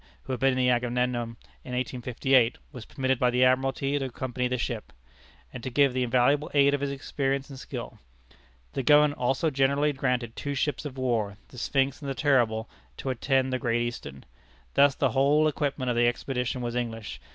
who had been in the Agamemnon in 1858, was permitted by the Admiralty to accompany the ship, and to give the invaluable aid of his experience and skill. The government also generously granted two ships of war, the Sphinx and the Terrible, to attend the Great Eastern. Thus the whole equipment of the expedition was English.